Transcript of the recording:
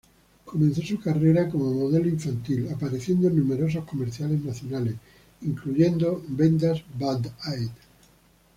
Comenzó su carrera como modelo infantil apareciendo en numerosos comerciales nacionales, incluyendo vendas Band-Aid.